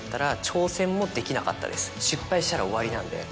失敗したら終わりなんで。